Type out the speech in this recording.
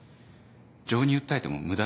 情に訴えても無駄ですよ。